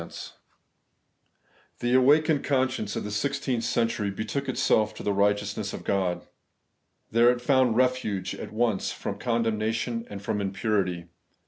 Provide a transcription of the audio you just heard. rilHE awakened conscience of the sixteenth cen ■ tury betook itself to ' the righteousness of God/ There it found refuge, at once from condemnation and from impurity.